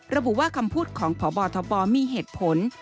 ระบุว่าคำพูดของพบทบมีเหตุผล